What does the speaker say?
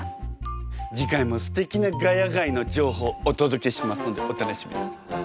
次回もすてきな「ヶ谷街」の情報お届けしますのでお楽しみに。